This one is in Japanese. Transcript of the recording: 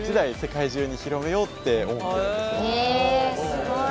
すごい。